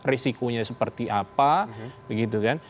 risikonya seperti apa begitu kan